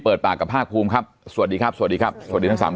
เปิดปากกับภาคภูมิครับสวัสดีครับสวัสดีครับสวัสดีทั้งสาม